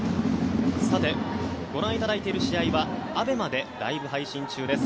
さて、ご覧いただいている試合はＡＢＥＭＡでライブ配信中です。